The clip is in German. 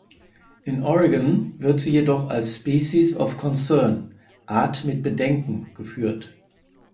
In Oregon wird sie jedoch als „"species of concern" (Art mit Bedenken)“ geführt.